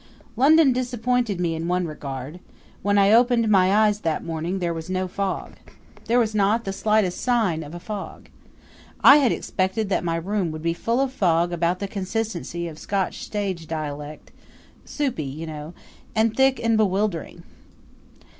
London disappointed me in one regard when I opened my eyes that morning there was no fog. There was not the slightest sign of a fog. I had expected that my room would be full of fog of about the consistency of Scotch stage dialect soupy, you know, and thick and bewildering.